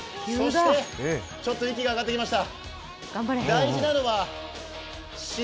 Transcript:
ちょっと息があがってきました。